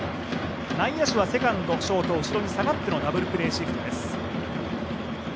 内野手はセカンド、ショート後ろに下がってのダブルプレーシフトです。